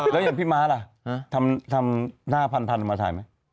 แล้วอย่างพี่ม้าล่ะทำหน้าพันมาถ่ายไหม